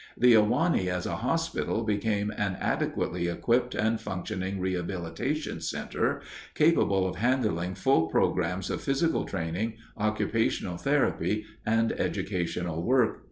The Ahwahnee as a hospital became an adequately equipped and functioning rehabilitation center, capable of handling full programs of physical training, occupational therapy, and educational work.